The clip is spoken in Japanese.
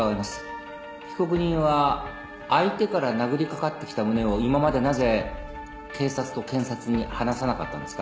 被告人は相手から殴りかかってきた旨を今までなぜ警察と検察に話さなかったんですか。